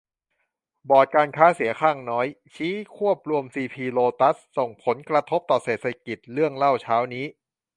บอร์ดการค้าเสียงข้างน้อย ชี้ควบรวมซีพี-โลตัส ส่งผลกระทบต่อเศรษฐกิจ เรื่องเล่าเช้านี้